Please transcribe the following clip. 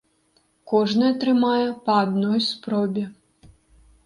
Кожны атрымае па адной спробе.